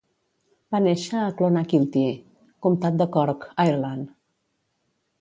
Va néixer a Clonakilty, comtat de Cork, Ireland.